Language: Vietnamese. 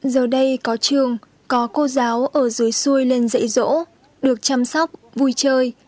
giờ đây có trường có cô giáo ở dưới xuôi lên dạy rỗ được chăm sóc vui chơi